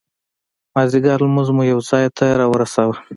مازدیګر لمونځ مو یو ځای ته را ورساوه.